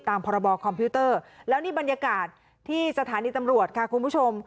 พรบคอมพิวเตอร์แล้วนี่บรรยากาศที่สถานีตำรวจค่ะคุณผู้ชม